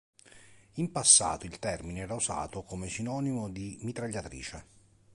In passato il termine era usato come sinonimo di mitragliatrice.